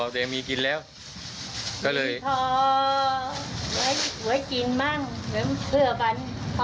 ตัวเองมีกินแล้วก็เลยมีพอไว้ไว้กินมั่งเพื่อปัน